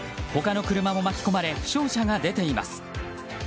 他の車も巻き込まれ負傷者も出ています。